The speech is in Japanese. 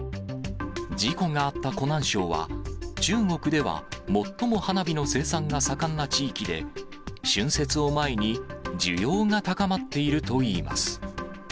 事故があった湖南省は、中国では最も花火の生産が盛んな地域で、春節を前に、需要が高まっているといいます。